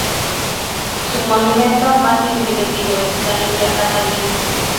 Su monumento más significativo es la India Catalina.